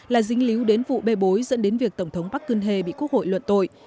là dính líu đến vụ bê bối dẫn đến việc tổng thống park geun hye bị quốc hội luận tội